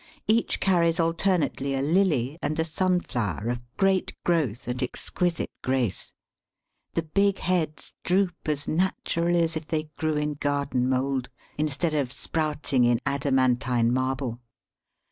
Each carries alternately a lily and a sunflower of great growth and exquisite grace. The big heads droop as naturally as if they grew in garden mould, instead of sprouting in adamantine marble.